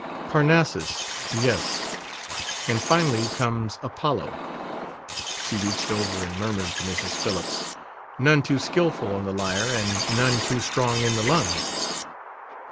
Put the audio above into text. "Parnassus, yes. And finally comes Apollo." She reached over and murmured to Mrs. Phillips: "None too skillful on the lyre, and none too strong in the lungs...."